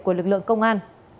của lực lượng công an